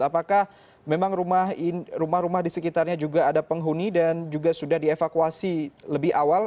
apakah memang rumah rumah di sekitarnya juga ada penghuni dan juga sudah dievakuasi lebih awal